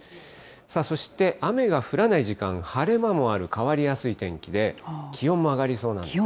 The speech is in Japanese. そして、雨が降らない時間、晴れ間もある、変わりやすい天気で、気温も上がりそうなんですね。